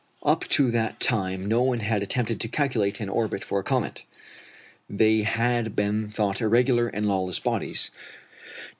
Up to that time no one had attempted to calculate an orbit for a comet. They had been thought irregular and lawless bodies.